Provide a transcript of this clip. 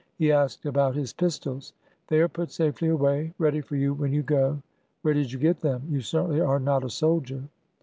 He asked about his pistols. They are put safely away — ready for you when you go. Where did you get them? You certainly are not a soldier."